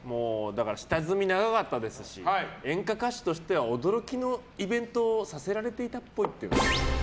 下積み長かったですし演歌歌手としては驚きのイベントをさせられていたっぽい。